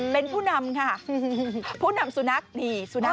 เป็นผู้นำค่ะผู้นำสุนัขนี่สุนัข